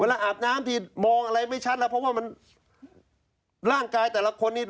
อาบน้ำผิดมองอะไรไม่ชัดแล้วเพราะว่ามันร่างกายแต่ละคนนี้